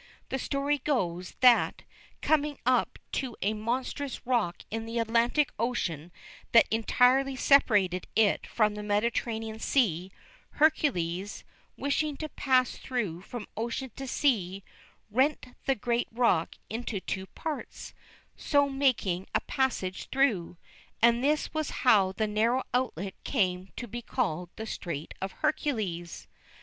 The story goes, that, coming up to a monstrous rock in the Atlantic Ocean that entirely separated it from the Mediterranean Sea, Hercules, wishing to pass through from ocean to sea, rent the great rock into two parts, so making a passage through. And this was how the narrow outlet came to be called the Strait of Hercules.